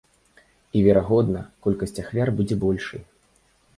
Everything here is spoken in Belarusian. І верагодна, колькасць ахвяр будзе большай.